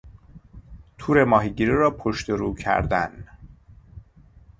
تور ماهیگیری را پشت و رو کردن